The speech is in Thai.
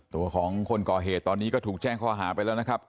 ตัวของคนก่อเหตุตอนนี้ก็ถูกแจ้งข้อหาไปแล้วนะครับ